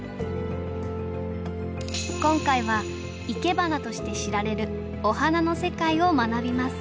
今回はいけばなとして知られるお花の世界を学びます。